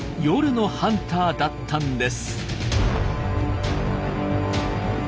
夜のハンターだったんです。